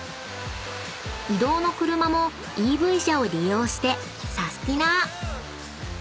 ［移動の車もＥＶ車を利用してサスティな！］